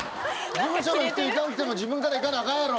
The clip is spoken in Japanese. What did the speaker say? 事務所の人行かんくても自分から行かなアカンやろ。